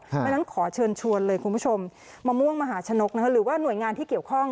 เพราะฉะนั้นขอเชิญชวนเลยคุณผู้ชมมะม่วงมหาชนกหรือว่าหน่วยงานที่เกี่ยวข้อง